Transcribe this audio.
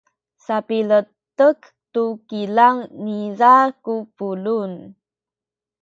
sapiletek tu kilang niza ku pulung.